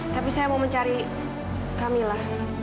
tapi saya mau mencari camilla